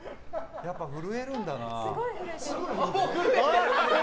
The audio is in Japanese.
やっぱり震えるんだな。